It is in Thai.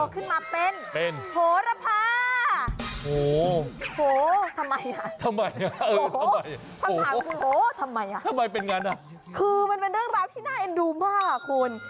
คือมันเป็นเรื่องราวที่น่าเอ็นดูมากอ่ะคุณ